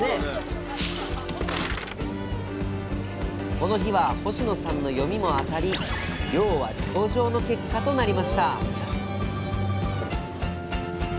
この日は星野さんの読みも当たり漁は上々の結果となりました